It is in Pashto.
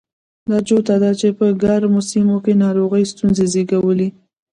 دا جوته ده چې په ګرمو سیمو کې ناروغیو ستونزې زېږولې.